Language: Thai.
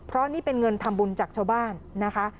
เพราะนี่เป็นเงินทำบุญจากชาวบ้านนะคะ